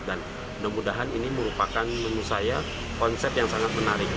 dan mudah mudahan ini merupakan menurut saya konsep yang sangat menarik